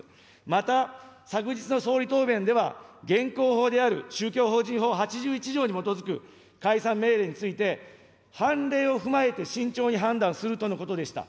また、昨日の総理答弁では、現行法である宗教法人法８１条に基づく解散命令について、判例を踏まえて慎重に判断するとのことでした。